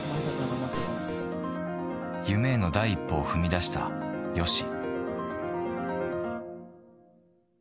夢への第一歩を踏み出したＹＯＳＨＩ。